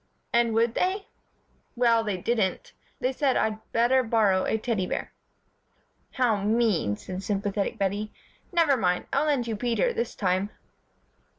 '" "And would they?" "Well, they didn't. They said I'd better borrow a Teddy bear." "How mean," said sympathetic Bettie. "Nevermind, I'll lend you Peter, this time."